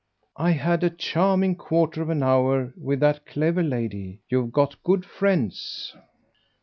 "I had a charming quarter of an hour with that clever lady. You've got good friends."